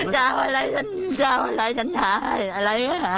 จะเอาอะไรฉันหา